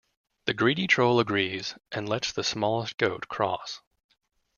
The greedy troll agrees and lets the smallest goat cross.